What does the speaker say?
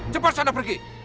cepat sana pergi